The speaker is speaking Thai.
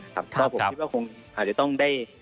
ก็ผมคิดว่าคงอาจจะต้องได้